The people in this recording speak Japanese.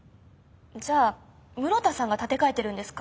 じゃあ室田さんが立て替えてるんですか？